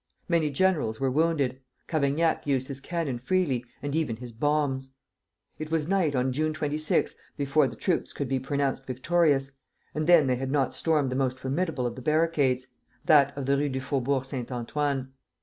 Many generals were wounded. Cavaignac used his cannon freely, and even his bombs. It was night on June 26 before the troops could be pronounced victorious, and then they had not stormed the most formidable of the barricades, that of the Rue du Faubourg Saint Antoine.